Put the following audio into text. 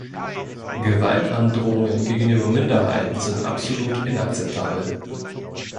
Gewaltandrohungen gegenüber Minderheiten sind absolut inakzeptabel.